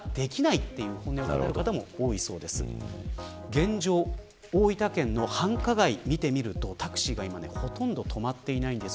現状、大分県の繁華街を見てみるとタクシーがほとんど止まっていないんです。